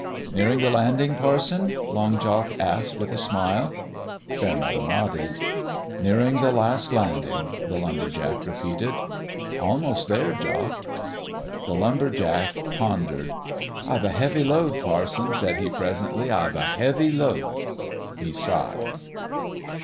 "Nearing the landing, parson?" Long Jock asked, with a smile. Fairmeadow nodded. " Nearing the last landing," the lumber jack repeated. "Almost there, Jock." The lumber jack pondered. "I've a heavy load, parson," said he, presently. " I've a heavy load," he sighed.